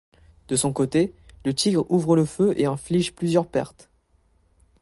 De son côté, le Tigre ouvre le feu et inflige plusieurs pertes.